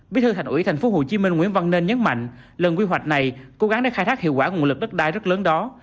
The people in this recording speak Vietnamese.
bí thư thành ủy tp hcm nguyễn văn nên nhấn mạnh lần quy hoạch này cố gắng để khai thác hiệu quả nguồn lực đất đai rất lớn đó